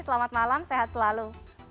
selamat malam sehat selalu